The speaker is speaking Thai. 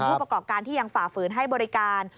ผู้ประกอบการที่ยังฝ่าฝืนให้บริการ